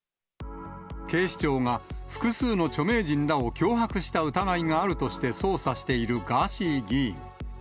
警視庁が、複数の著名人らを脅迫した疑いがあるとして捜査しているガーシー議員。